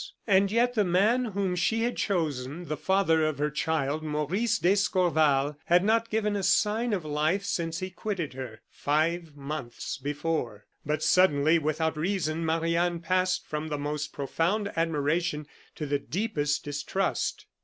And yet the man whom she had chosen, the father of her child, Maurice d'Escorval, had not given a sign of life since he quitted her, five months before. But suddenly, and without reason, Marie Anne passed from the most profound admiration to the deepest distrust.